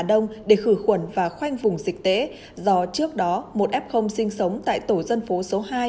đông để khử khuẩn và khoanh vùng dịch tễ do trước đó một f sinh sống tại tổ dân phố số hai